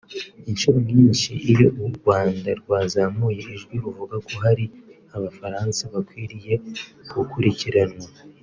Inshuro nyinshi iyo u Rwanda rwazamuye ijwi ruvuga ko hari Abafaransa bakwiriye gukurikiranwa